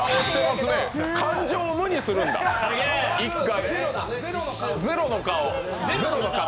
感情を無にするんだ、一回。